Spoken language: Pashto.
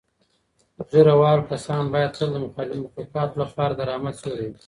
ږیره وال کسان باید تل د مخلوقاتو لپاره د رحمت سیوری وي.